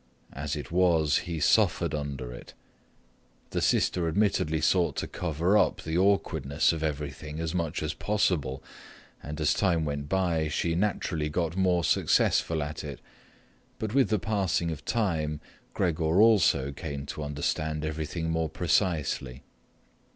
As it was, he suffered under it. The sister admittedly sought to cover up the awkwardness of everything as much as possible, and, as time went by, she naturally got more successful at it. But with the passing of time Gregor also came to understand everything more precisely.